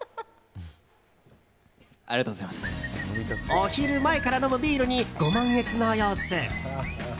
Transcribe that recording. お昼前から飲むビールにご満悦の様子。